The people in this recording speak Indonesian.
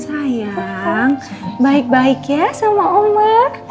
sayang baik baik ya sama umat